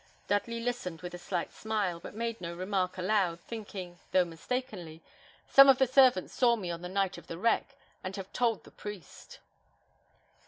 Dudley listened with a slight smile, but made no remark aloud, thinking, though mistakenly, "Some of the servants saw me on the night of the wreck, and have told the priest."